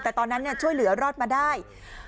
แต่ตอนนั้นช่วยเหลือรอดมาได้